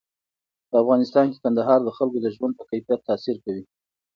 په افغانستان کې کندهار د خلکو د ژوند په کیفیت تاثیر کوي.